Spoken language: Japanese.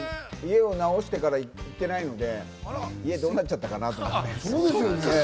家を直してから行ってないので家、どうなっちゃったかなって。